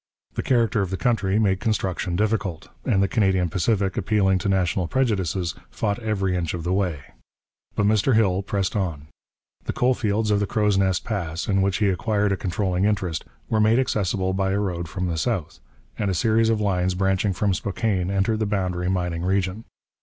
The character of the country made construction difficult, and the Canadian Pacific, appealing to national prejudices, fought every inch of the way. But Mr Hill pressed on. The coal fields of the Crow's Nest Pass, in which he acquired a controlling interest, were made accessible by a road from the south, and a series of lines branching from Spokane entered the Boundary mining region.